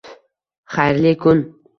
Xayrli kun.